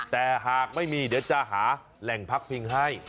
แต่หากไม่มีเดี๋ยวจะหาแหล่งพักพิงให้